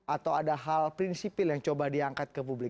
atau ada hal prinsipil yang coba diangkat ke publik